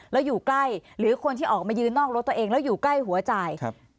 แล้วอยู่ใกล้หรือคนที่ออกมายืนนอกรถตัวเองแล้วอยู่ใกล้หัวจ่าย